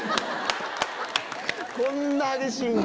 こんな激しいんだ。